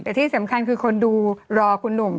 แต่ที่สำคัญคือคนดูรอคุณหนุ่ม